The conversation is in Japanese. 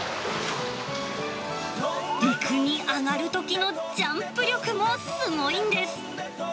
陸に上がるときのジャンプ力もすごいんです。